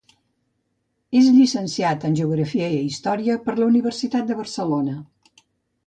És llicenciat en Geografia i Història per la Universitat de Barcelona.